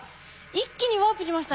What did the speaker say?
一気にワープしましたね。